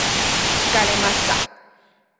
疲れました